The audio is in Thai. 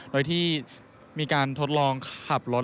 โดยที่มีการทดลองขับรถ